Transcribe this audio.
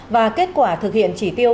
và kết quả thực hiện chỉ tiêu